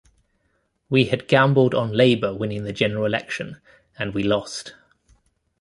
We had gambled on Labour winning the General Election and we lost.